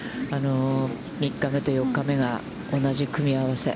３日目と４日目が、同じ組み合わせ。